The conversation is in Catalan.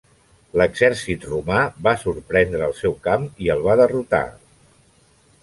L'exèrcit romà va sorprendre el seu camp i el va derrotar.